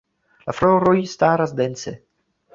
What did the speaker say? La floroj staras dense.